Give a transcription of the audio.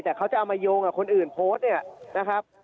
แต่เขาจะเอามาโยงกับคนอื่นโพสต์เนี่ยนะครับ